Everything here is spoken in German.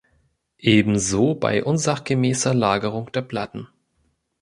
Ebenso bei unsachgemäßer Lagerung der Platten.